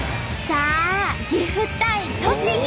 さあ岐阜対栃木！